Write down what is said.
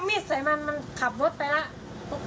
เครื่องมิดใส่มันมันขับรถไปแล้ว